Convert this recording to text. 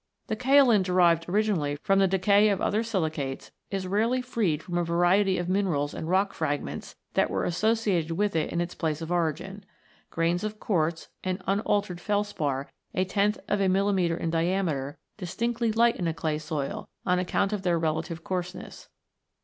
The kaolin, derived originally from the decay of other silicates, is rarely freed from a variety of minerals and rock fragments that were associated with it in its place of origin. Grains of quartz and unaltered felspar a tenth of a millimetre in diameter distinctly " lighten " a clay soil, on account of their relative coarseness.